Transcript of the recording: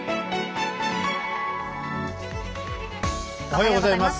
おはようございます。